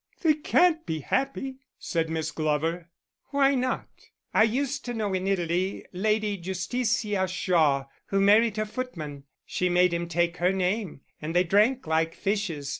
"They can't be happy," said Miss Glover. "Why not? I used to know in Italy Lady Justitia Shawe, who married her footman. She made him take her name, and they drank like fishes.